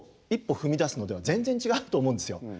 一歩踏み出すのでは全然違うと思うんですよ。